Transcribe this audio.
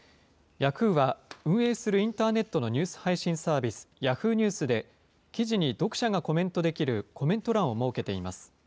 ヤフーは運営するインターネットのニュース配信サービス、Ｙａｈｏｏ！ニュースで、記事に読者がコメントできるコメント欄を設けています。